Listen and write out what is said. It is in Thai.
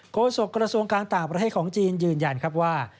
โฆษกรสวงค์กลางต่างประเทศของจีนยืนยันว่า